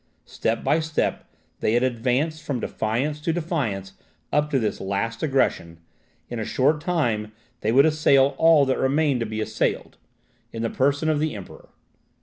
Step by step had they advanced from defiance to defiance up to this last aggression; in a short time they would assail all that remained to be assailed, in the person of the Emperor.